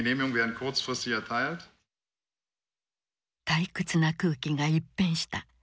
退屈な空気が一変した。